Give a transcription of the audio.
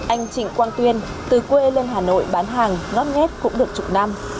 anh trịnh quang tuyên từ quê lên hà nội bán hàng ngót nghét cũng được chục năm